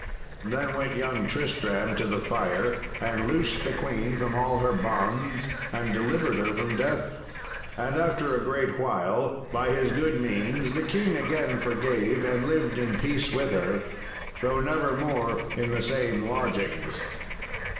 Then went young Tristram to the fire and loosed the queen from all her bonds and delivered her from death. And after a great while by his good means the king again forgave and lived in peace with her, though never more in the same lodgings.